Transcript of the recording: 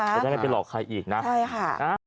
ไม่ได้ให้ไปหลอกใครอีกนะใช่ค่ะ